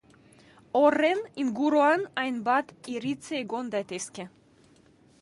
Horren inguruan hainbat iritzi egon daitezke.